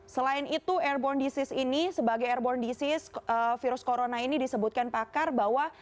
selain itu airborne disease ini sebagai airborne disease virus corona ini disebutkan pakar bahwa